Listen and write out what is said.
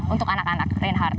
untuk anak anak reinhardt